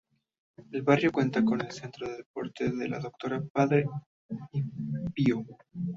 El barrio cuenta con el Centro de Deporte la Doctora-Padre Pío.